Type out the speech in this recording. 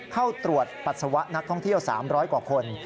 เข้าตรวจปัสสาวะนักท่องเที่ยว๓๐๐กว่าคน